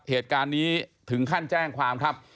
เหตุการณ์นี้ถึงขั้นแจ้งความครับ